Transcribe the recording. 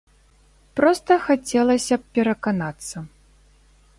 Проста хацелася б пераканацца.